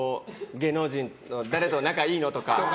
芸能人の誰と仲いいの？とか。